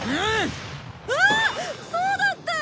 ああそうだった！